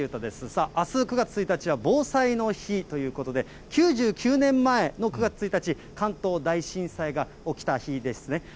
さあ、あす９月１日は防災の日ということで、９９年前の９月１日、関東大震災が起きた日ですね。